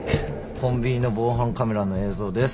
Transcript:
コンビニの防犯カメラの映像です。